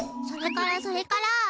それからそれから。